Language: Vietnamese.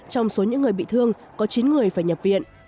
trong số những người bị thương có chín người phải nhập viện